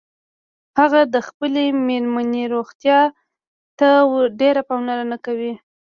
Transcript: هغه د خپلې میرمنیروغتیا ته ډیره پاملرنه کوي